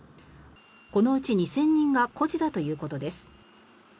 このうち２０００人が孤児だということです。